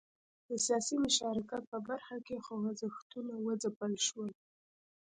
د سیاسي مشارکت په برخه کې خوځښتونه وځپل شول.